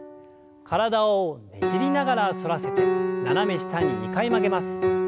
体をねじりながら反らせて斜め下に２回曲げます。